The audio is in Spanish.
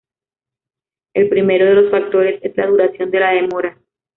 El primero de los factores es la duración de la demora.